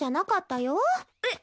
えっ！